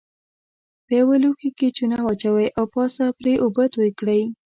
په یوه لوښي کې چونه واچوئ او پاسه پرې اوبه توی کړئ.